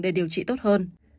để điều trị tốt hơn